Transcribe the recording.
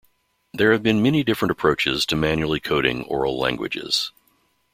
There have been many different approaches to manually coding oral languages.